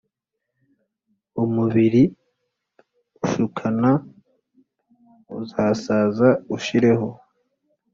Umubiri ushukana uzasaza ushireho